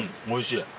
おいしい。